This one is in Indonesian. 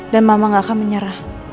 dan mama gak akan menyerah